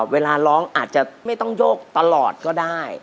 เวลาร้องอาจจะไม่ต้องโยกตลอดก็ได้